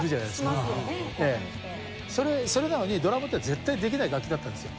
それなのにドラムって絶対できない楽器だったんですよ。